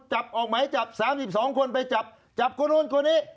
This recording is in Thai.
จับออกไหมจับสามสิบสองคนไปจับจับคนนู้นคนนี้